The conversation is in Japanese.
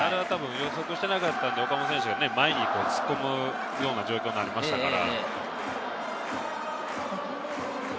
予測していなかったので、岡本選手は前に突っ込むような状況になりましたから。